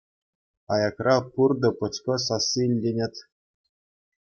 Аякра пуртӑ-пӑчкӑ сасси илтӗнет.